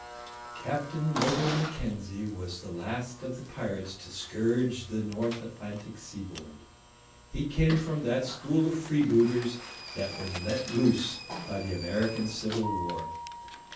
Captain Mogul Mackenzie was the last of the pirates to scourge the North Atlantic seaboard. He came from that school of freebooters that was let loose by the American Civil War.